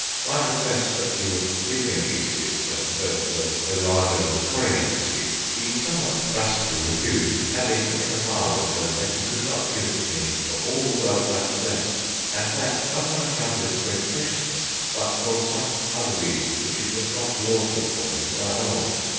My request that he would give me a piece of his stone (though it were no larger than a coriander seed), he somewhat brusquely refused, adding, in a milder tone, that he could not give it me for all the wealth I possessed, and that not on account of its great preciousness, but for some other reason which it was not lawful for him to divulge....